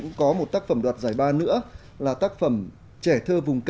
nó vẫn tự nhiên